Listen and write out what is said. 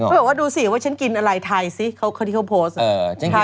บอกว่าดูสิว่าฉันกินอะไรไทยสิเขาที่เขาโพสต์